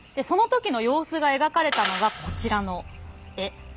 その時の様子が描かれたのがこちらの絵。